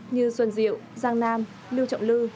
như xuân diệu giang nam lưu trọng lư